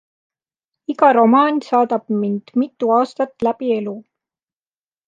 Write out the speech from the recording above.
Iga romaan saadab mind mitu aastat läbi elu.